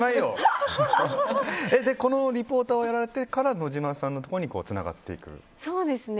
このリポートをやられてから野島さんのところにつながっていくと。